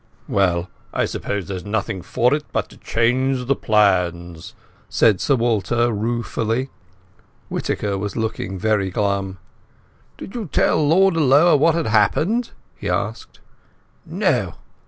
"Well, I suppose there is nothing for it but to change the plans," said Sir Walter ruefully. Whittaker was looking very glum. "Did you tell Lord Alloa what has happened?" he asked. "No?